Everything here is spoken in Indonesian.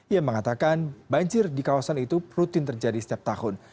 ia mengatakan banjir di kawasan itu rutin terjadi setiap tahun